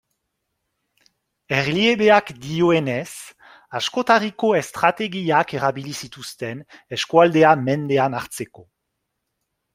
Erliebeak dioenez, askotariko estrategiak erabili zituzten eskualdea mendean hartzeko.